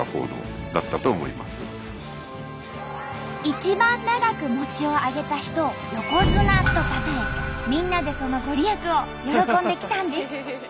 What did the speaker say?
一番長く餅を上げた人を「横綱」とたたえみんなでその御利益を喜んできたんです。